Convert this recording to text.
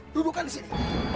dudukkan di sini